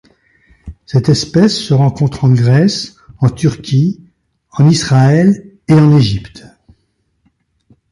Cette espèce se rencontre en Grèce, en Turquie, en Israël et en Égypte.